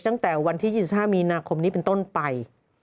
ตั้งแต่วันที่๒๕มีนาคมนี้เป็นต้นไป